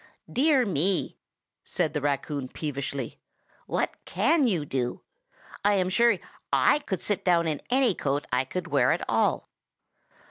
"Dear me!" said the raccoon peevishly. "What can you do? I am sure I could sit down in any coat I could wear at all.